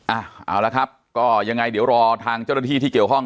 เอาละครับก็ยังไงเดี๋ยวรอทางเจ้าหน้าที่ที่เกี่ยวข้อง